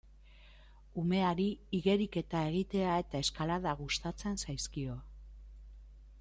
Umeari igeriketa egitea eta eskalada gustatzen zaizkio.